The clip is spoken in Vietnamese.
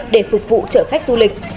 để phục vụ chở khách du lịch